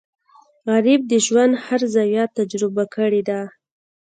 غریب د ژوند هر زاویه تجربه کړې ده